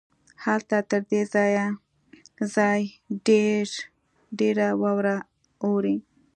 هلته تر دې ځای ډېره واوره اوري.